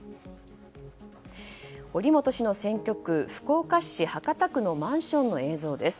堀本氏の選挙区福岡市博多区のマンションの映像です。